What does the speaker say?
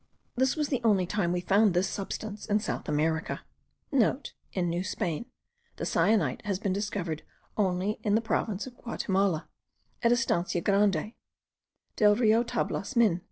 This was the only time we found this substance in South America.* (* In New Spain, the cyanite has been discovered only in the province of Guatimala, at Estancia Grande, Del Rio Tablas Min.